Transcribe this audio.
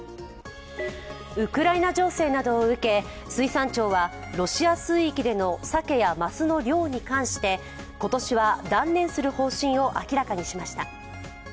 ウクライナ情勢などを受け、水産庁はロシア水域でのサケやマスの漁に関して今年は断念する方針を明らかにしました。